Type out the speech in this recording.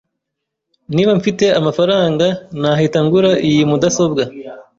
Niba mfite amafaranga, nahita ngura iyi mudasobwa.